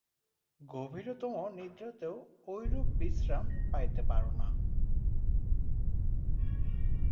গভীরতম নিদ্রাতেও ঐরূপ বিশ্রাম পাইতে পার না।